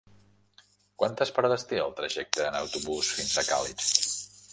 Quantes parades té el trajecte en autobús fins a Càlig?